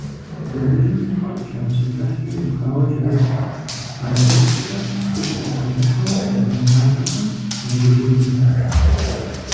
Дыгъужьым и къуэр кӀапсэ кӀыхькӀэ епхауэ кӀэрытт, арэзыпсрэ цӀыху къыбгъэдыхьэу къедэхащӀэхэм ядэджэгуу.